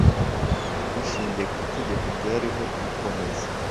bishingiye ku itegeko ryariho bikomeza